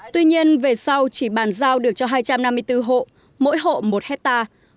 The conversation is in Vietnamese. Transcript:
tuy nhiên về sau chỉ bàn giao được cho hai trăm năm mươi bốn hộ mỗi hộ một hectare